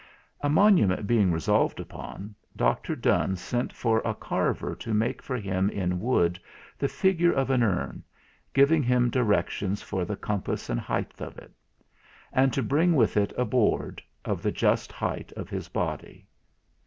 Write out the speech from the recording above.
A monument being resolved upon, Dr. Donne sent for a carver to make for him in wood the figure of an urn, giving him directions for the compass and height of it; and to bring with it a board, of the just height of his body.